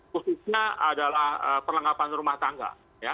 khususnya adalah perlengkapan rumah tangga